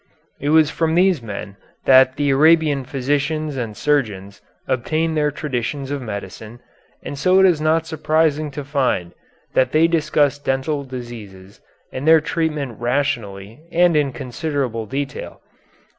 It was from these men that the Arabian physicians and surgeons obtained their traditions of medicine, and so it is not surprising to find that they discuss dental diseases and their treatment rationally and in considerable detail.